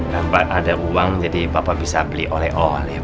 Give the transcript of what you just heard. bapak ada uang jadi bapak bisa beli oleh olep